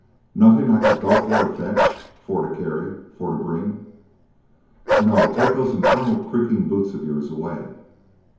"Nothing I could go for to fetch for to carry for to bring?" "No. Take those infernal creaking boots of yours away."